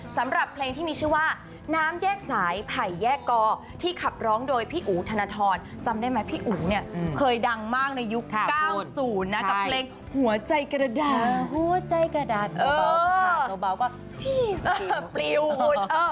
สำหรับเพลงที่มีชื่อว่าน้ำแยกสายไผ่แยกกอที่ขับร้องโดยพี่อู๋ธนทรจำได้ไหมพี่อู๋เนี่ยเคยดังมากในยุค๙๐นะกับเพลงหัวใจกระดานหัวใจกระดานเบาว่าพี่เออปลิวคุณ